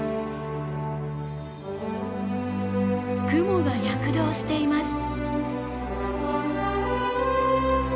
雲が躍動しています。